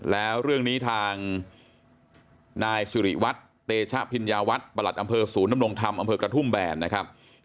แล้วเรื่องนี้ทางนายสิริวัตรเตชะพิญญาวัฒน์ประหลัดอำเภอศูนย์นำรงธรรมอำเภอกระทุ่มแบนนะครับ